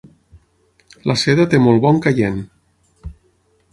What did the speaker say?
La seda té molt bon caient.